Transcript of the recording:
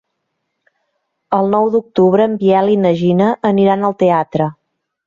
El nou d'octubre en Biel i na Gina aniran al teatre.